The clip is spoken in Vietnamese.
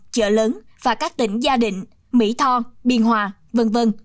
chợ lớn và các tỉnh gia định mỹ tho biên hòa v v